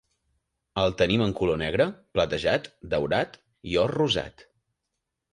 El tenim en color negre, platejat, daurat, i or rosat.